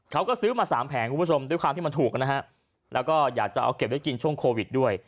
เขาก็ซื้อมาสามแผงคุณผู้ชมด้วยความที่มันถูกนะฮะแล้วก็อยากจะเอาเก็บไว้กินช่วงโควิดด้วย